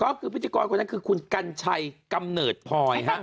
ก็คือพิธีกรคนนั้นคือคุณกัญชัยกำเนิดพลอย